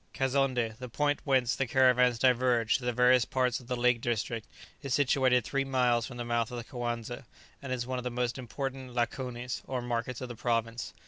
Kazonndé, the point whence the caravans diverge to the various parts of the lake district, is situated three miles from the mouth of the Coanza, and is one of the most important lakonis, or markets of the province.